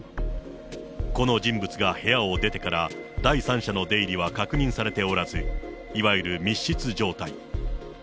この人物が部屋を出てから、第三者の出入りは確認されておらず、いわゆる密室状態。